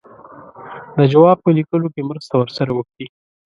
د جواب په لیکلو کې مرسته ورسره وکړي.